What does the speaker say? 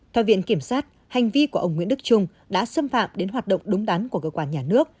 theo viện kiểm sát hành vi của ông nguyễn đức trung đã xâm phạm đến hoạt động đúng đắn của cơ quan nhà nước